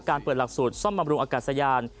เปิดหลักสูตรซ่อมบำรุงอากาศยาน